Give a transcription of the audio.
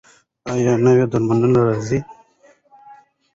ایا نوې درملنه راځي؟